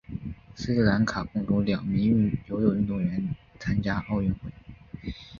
斯里兰卡共有两名游泳运动员参加奥运。